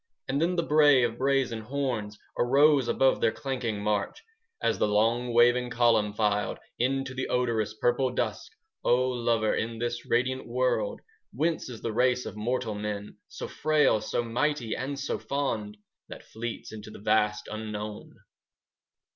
And then the bray of brazen horns 5 Arose above their clanking march, As the long waving column filed Into the odorous purple dusk. O lover, in this radiant world Whence is the race of mortal men, 10 So frail, so mighty, and so fond, That fleets into the vast unknown?